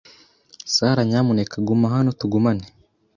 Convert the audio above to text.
Sara, nyamuneka guma hano tugumane